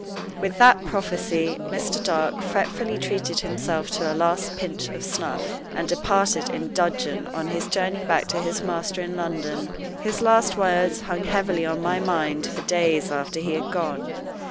With that prophecy, Mr. Dark fretfully treated himself to a last pinch of snuff, and departed in dudgeon on his journey back to his master in London. His last words hung heavily on my mind for days after he had gone.